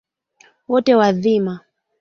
Wote wadhima?